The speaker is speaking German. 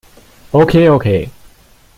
Okay, okay!